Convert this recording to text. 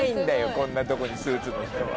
こんなとこにスーツの人は。